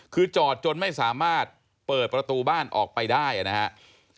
คือจอดจนไม่สามารถเปิดประตูบ้านออกไปได้นะครับ